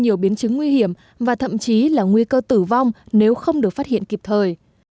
nhiều biến chứng nguy hiểm và thậm chí là nguy cơ tử vong nếu không được phát hiện kịp thời